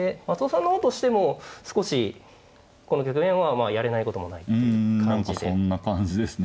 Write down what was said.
松尾さんの方としても少しこの局面はやれないこともないという感じで。